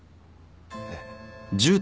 えっ？